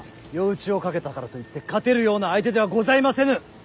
夜討ちをかけたからといって勝てるような相手ではございませぬ。